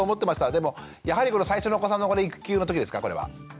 でもやはり最初のお子さんの育休の時ですかこれは。